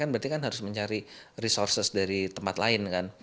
berarti kan harus mencari resources dari tempat lain kan